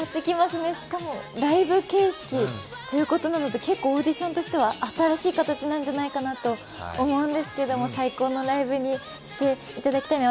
しかもライブ形式ということなので、結構、オーディションとしては新しい形なんじゃないかと思うんですけど、最高のライブにしていただきたいな。